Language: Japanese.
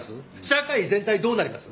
社会全体どうなります？